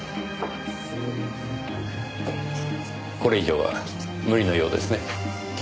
これ以上は無理のようですね。